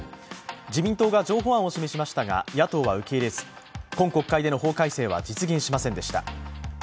自民党が譲歩案を示しましたが、野党は受け入れず、今国会での法改正は実現しませんでした。